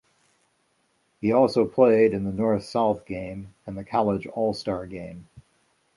He also played in the North-South Game and the College All-Star Game.